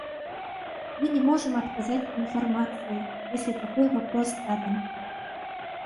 Мы не можем отказать в информации, если такой вопрос задан.